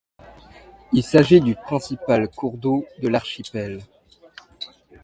Il s'agit du principal cours d'eau de l'archipel.